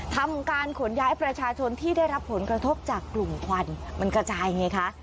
ทำการขนย้ายประชาชนที่ได้รับผลกระทบจากกลุ่มควันมันกระจายไงคะ